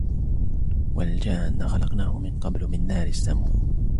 وَالْجَانَّ خَلَقْنَاهُ مِنْ قَبْلُ مِنْ نَارِ السَّمُومِ